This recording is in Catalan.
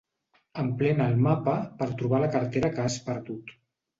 Emplena el mapa per trobar la cartera que has perdut.